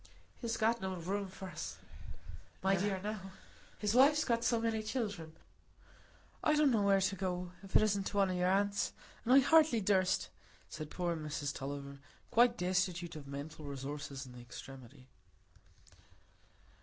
"He's got no room for us, my dear, now; his wife's got so many children. I don't know where to go, if it isn't to one o' your aunts; and I hardly durst," said poor Mrs Tulliver, quite destitute of mental resources in this extremity.